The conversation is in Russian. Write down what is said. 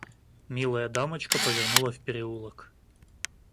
Милая дамочка повернула в переулок.